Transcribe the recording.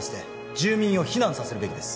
住民を避難させるべきです